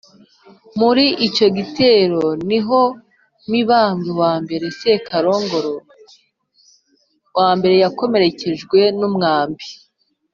muri icyo gitero niho mibambwe i sekarongoro i yakomerekejwe n'umwambi